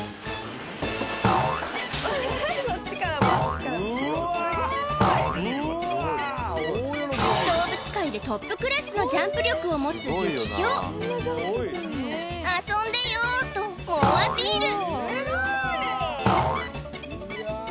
スカイ動物界でトップクラスのジャンプ力を持つユキヒョウ「遊んでよ」と猛アピール